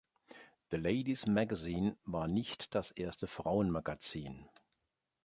„The Lady's Magazine“ war nicht das erste Frauenmagazin.